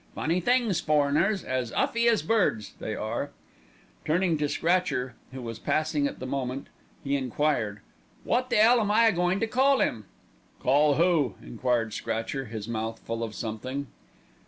"Funny things foreigners, as 'uffy as birds, they are." Turning to Scratcher, who was passing at the moment, he enquired, "Wot the 'ell am I a goin' to call 'im?" "Call who?" enquired Scratcher, his mouth full of something.